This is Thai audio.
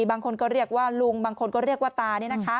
บางคนก็เรียกว่าลุงบางคนก็เรียกว่าตา